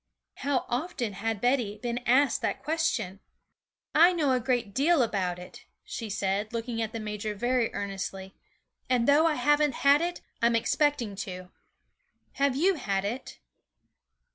How often had Betty been asked that question! 'I know a great deal about it,' she said, looking at the major very earnestly; 'and though I haven't had it, I'm expecting to. Have you had it?'